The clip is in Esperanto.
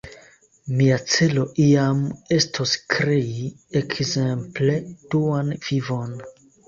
Mia celo iam estos krei, ekzemple, Duan Vivon.